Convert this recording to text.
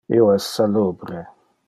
Io es salubre.